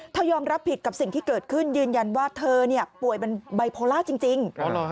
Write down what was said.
ยอมรับผิดกับสิ่งที่เกิดขึ้นยืนยันว่าเธอป่วยเป็นไบโพล่าจริง